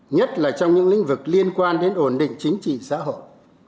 nhất là trong những lĩnh vực liên quan đến ổn định chính trị xã hội